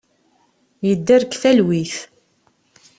Yedder deg talwit.